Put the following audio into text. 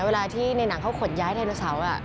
เวลาที่ในหนังเขาขนย้ายไดโนเสาร์